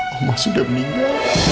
oma sudah meninggal